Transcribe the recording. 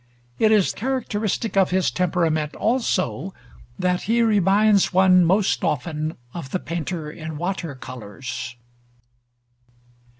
It is characteristic of his temperament also that he reminds one most often of the painter in water colors.